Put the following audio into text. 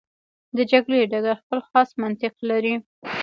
د جګړې ډګر خپل خاص منطق لري.